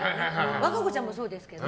和歌子ちゃんもそうですけど。